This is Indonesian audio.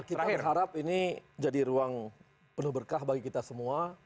kita berharap ini jadi ruang penuh berkah bagi kita semua